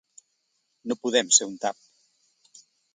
No podem ser un tap.